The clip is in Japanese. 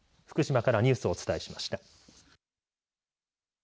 福島からニュースをお伝えしました。